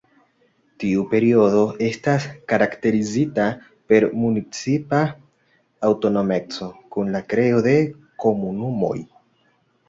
Tiu periodo estas karakterizita per municipa aŭtonomeco, kun la kreo de komunumoj.